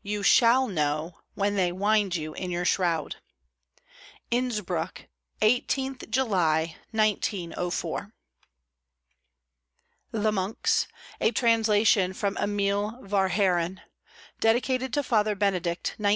You shall know, when they wind you in your shroud. Innsbruck, 18th July, 1904. THE MONKS A translation from EMILE VERHAEREN. Dedicated to Father Benedict, 1905.